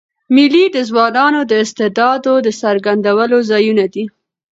مېلې د ځوانانو د استعدادو د څرګندولو ځایونه دي.